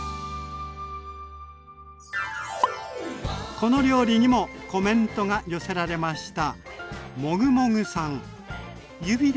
この料理にもコメントが寄せられました。